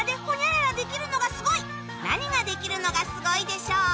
何ができるのがすごいでしょう？